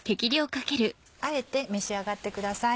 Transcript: あえて召し上がってください。